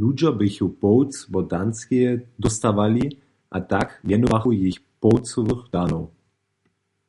Ludźo běchu połć wot Danskeje dóstawali, a tak mjenowachu jich połćowych Danow.